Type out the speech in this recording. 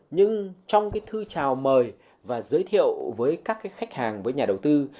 nhưng trong thư chào mời và giới thiệu với các khách hàng với nhà đầu tư